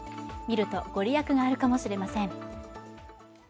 見るとご利益があるかもしれません。